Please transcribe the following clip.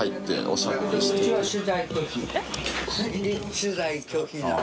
・取材拒否なの？